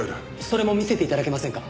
それも見せて頂けませんか？